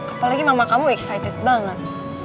apalagi mama kamu excited banget